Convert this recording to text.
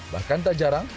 bahkan tak jarang